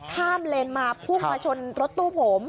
ข้ามเลนส์มาพุงมาชนรถตู้ผม